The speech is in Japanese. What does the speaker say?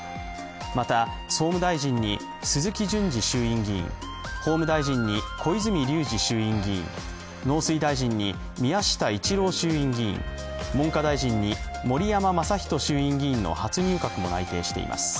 また、総務大臣に鈴木淳司衆院議員、法務大臣に小泉龍司衆院議員、農水大臣に宮下一郎参院議員、文科大臣に盛山正仁衆院議員の初入閣も内定しています。